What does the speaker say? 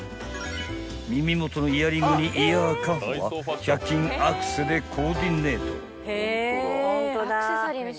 ［耳元のイヤリングにイヤーカフは１００均アクセでコーディネート］